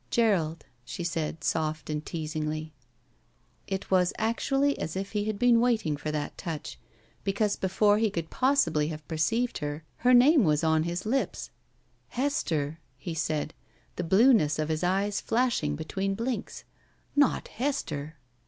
"Gerald," she said, soft and teasingly. It was actually as if he had been waiting for that touch, because before he could possibly have per ceived her her name was on his U^ "Hester!" he said, the blueness of his eyes flashing between blinks. "Not Hester?"